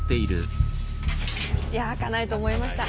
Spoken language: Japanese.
いや開かないと思いました。